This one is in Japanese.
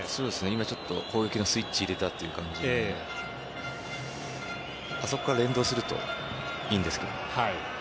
今、攻撃のスイッチを入れたという感じであそこから連動するといいんですけど。